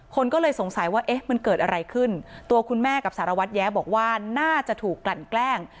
คนก็เลยสงสัยว่าเอ๊ะมันเกิดอะไรขึ้นตัวคุณแม่กับสารวัตรแย้บอกว่าน่าจะถูกกลั่นแกล้ง